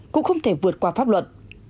cũng không thể vượt qua pháp luật